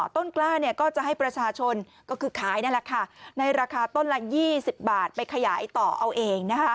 ต้นกล้าจะให้ประชาชนขายในราคาต้นละ๒๐บาทไปขยายต่อเอาเอง